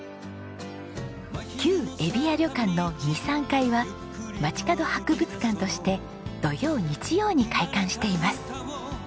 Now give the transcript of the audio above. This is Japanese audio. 旧ゑびや旅館の２３階はまちかど博物館として土曜日曜に開館しています。